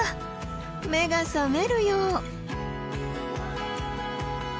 目が覚めるよう。